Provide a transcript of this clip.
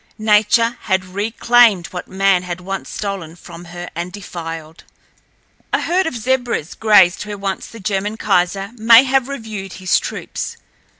Nature had reclaimed what man had once stolen from her and defiled. A herd of zebras grazed where once the German kaiser may have reviewed his troops.